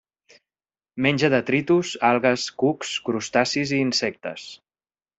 Menja detritus, algues, cucs, crustacis i insectes.